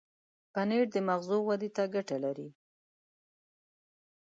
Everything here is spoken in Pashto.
پنېر د مغزو ودې ته ګټه لري.